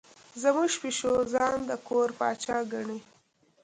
زموږ پیشو ځان د کور پاچا ګڼي.